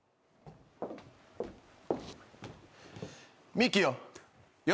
ミキよ。